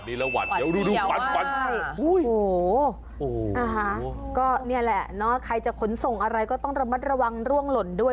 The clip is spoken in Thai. อูยก็เนี่ยแหละเนอะใครจะขนส่งอะไรก็ต้องระมัดระวังร่วงหล่นด้วย